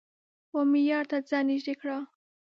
و معیار ته ځان نژدې کړه